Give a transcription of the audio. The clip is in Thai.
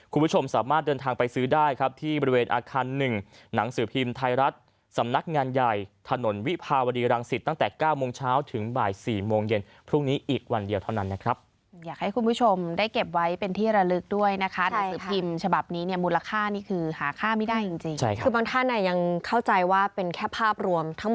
คุณผู้ชมสามารถเดินทางไปซื้อได้ครับที่บริเวณอาคาร๑หนังสือพิมพ์ไทยรัฐสำนักงานใหญ่ถนนวิพาวรีรังสิตตั้งแต่๙โมงเช้าถึงบ่าย๔โมงเย็นพรุ่งนี้อีกวันเดียวเท่านั้นนะครับอยากให้คุณผู้ชมได้เก็บไว้เป็นที่ระลึกด้วยนะครับในสิ่งฉบับนี้เนี่ยมูลค่านี่คือหาค่าไม่ได้จริงคือบาง